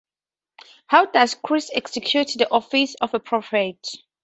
How does Christ execute the office of a prophet?